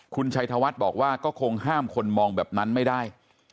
คุณชัยธวัฒน์บอกว่าก็คงห้ามคนมองแบบนั้นไม่ได้